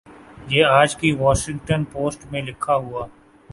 یہ آج کی واشنگٹن پوسٹ میں لکھا ہوا